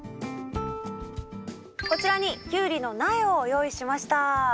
こちらにキュウリの苗を用意しました。